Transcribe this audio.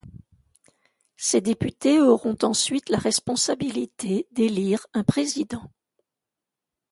Ces députés auront ensuite la responsabilité d'élire un président.